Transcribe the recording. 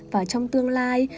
và trong tương lai